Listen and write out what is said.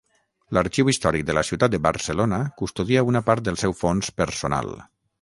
L'Arxiu Històric de la Ciutat de Barcelona custodia una part del seu fons personal.